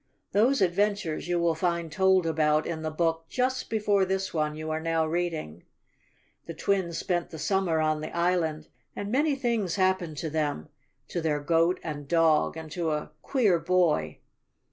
Those adventures you will find told about in the book just before this one you are now reading. The twins spent the summer on the island, and many things happened to them, to their goat and dog, and to a queer boy.